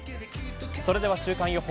それでは週間予報。